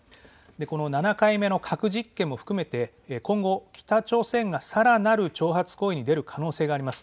この７回目の核実験も含めて今後、北朝鮮がさらなる挑発行為に出る可能性があります。